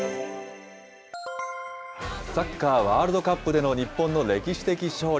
サッカーワールドカップでの日本の歴史的勝利。